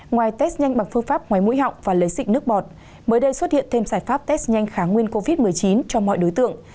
ngoài test nhanh bằng phương pháp ngoài mũi họng và lấy xịt nước bọt mới đây xuất hiện thêm giải pháp test nhanh kháng nguyên covid một mươi chín cho mọi đối tượng